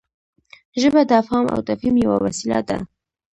ژبه د افهام او تفهیم یوه وسیله ده.